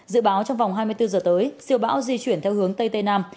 dự báo trong vòng hai mươi bốn giờ tới siêu bão di chuyển theo hướng tây tây nam